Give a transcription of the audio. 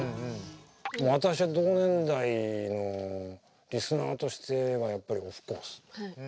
私は同年代のリスナーとしてはやっぱりオフコース。